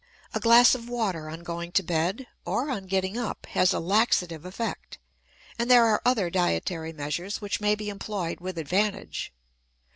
A glass of water on going to bed or on getting up has a laxative effect; and there are other dietary measures which may be employed with advantage.